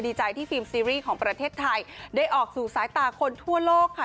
ดีใจที่ฟิล์ซีรีส์ของประเทศไทยได้ออกสู่สายตาคนทั่วโลกค่ะ